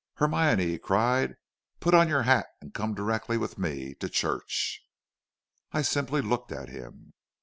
"'Hermione,' he cried, 'put on your hat and come directly with me to church.' "I simply looked at him.